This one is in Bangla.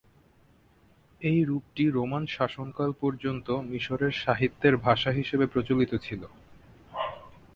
এই রূপটি রোমান শাসনকাল পর্যন্ত মিশরের সাহিত্যের ভাষা হিসেবে প্রচলিত ছিল।